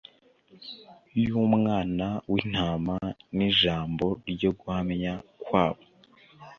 y’Umwana w’intama n’ijambo ryo guhamya kwabo.